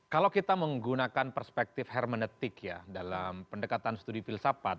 kalau kita menggunakan perspektif hermenetik ya dalam pendekatan studi filsafat